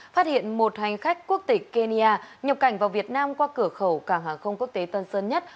phát hiện một hành khách quốc tịch kenya nhập cảnh vào việt nam qua cửa khẩu cảng hàng không quốc tế tân sơn nhất